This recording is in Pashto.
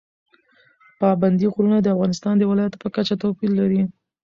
پابندی غرونه د افغانستان د ولایاتو په کچه توپیر لري.